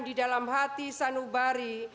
di dalam hati sanubari